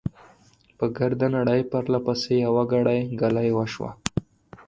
په ګرده نړۍ، پرله پسې، يوه ګړۍ، ګلۍ وشوه .